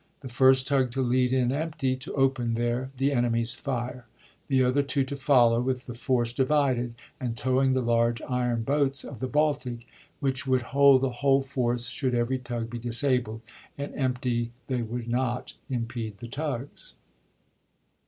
The first tug to lead in empty, to open their [the enemy's] fire. The other two to follow, with the force divided, and Fox to towing the large iron boats of the Baltic, which would B23ir'8Ffb' no^ tne wn°le f°rce should every tug be disabled, and ii.id.. p. 204. empty they would not impede the tugs.